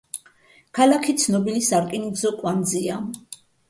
ქალაქი ცნობილი სარკინიგზო კვანძია.